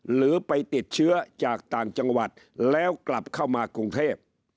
หรือไปติดเชื้อจากต่างจังหวัดแล้วกลับเข้ามากรุงเทพ